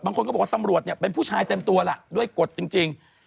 บางคนก็บอกว่าตำรวจเนี่ยเป็นผู้ชายเต็มตัวล่ะด้วยกฎจริง